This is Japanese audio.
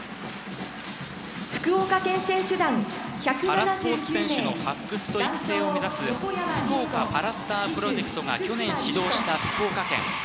パラスポーツ選手の発掘と育成を目指すフクオカ・パラスター・プロジェクトが去年始動した福岡県。